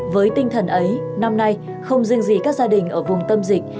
với tinh thần ấy năm nay không riêng gì các gia đình ở vùng tâm dịch